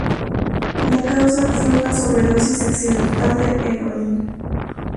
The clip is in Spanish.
La causa fue una sobredosis accidental de heroína.